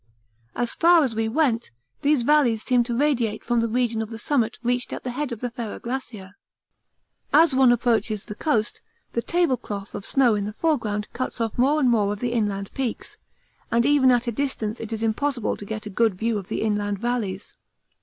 As far as we went, these valleys seem to radiate from the region of the summit reached at the head of the Ferrar Glacier. As one approaches the coast, the 'tablecloth' of snow in the foreground cuts off more and more of the inland peaks, and even at a distance it is impossible to get a good view of the inland valleys.